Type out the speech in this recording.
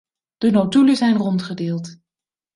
De notulen zijn rondgedeeld.